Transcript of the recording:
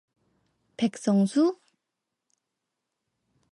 백성수?